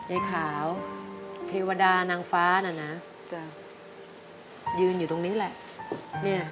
ยายขาวเทวดานางฟ้าน่ะนะจ้ะยืนอยู่ตรงนี้แหละ